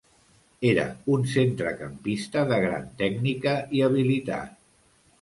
Era un centrecampista de gran tècnica i habilitat.